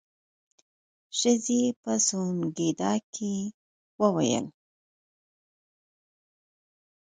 ښځې په سونګېدا کې وويل.